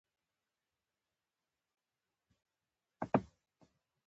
یو سوداګر چې کلوم نومیده سید له مرګ څخه وژغوره.